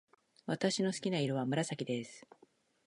私の好きな色は紫です。